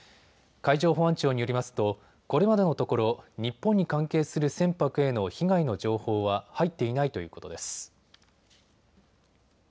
海上保安庁によりますとこれまでのところ日本に関係する船舶への被害の情報は入っていないということです。